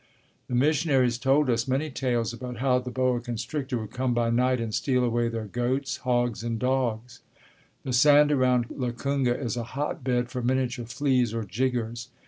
The missionaries told us many tales about how the boa constrictor would come by night and steal away their goats, hogs, and dogs. The sand around Lukunga is a hot bed for miniature fleas, or "jiggers."